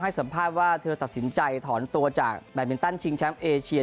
สัมภาษณ์ว่าเธอตัดสินใจถอนตัวจากแบตมินตันชิงแชมป์เอเชีย